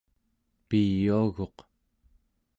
piyuaguq